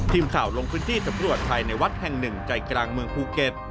ทีมข่าวลงพื้นที่สำรวจภายในวัดแห่งหนึ่งใจกลางเมืองภูเก็ต